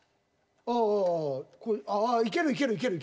ああいけるいける。